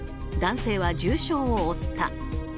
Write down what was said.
男性は重傷を負った。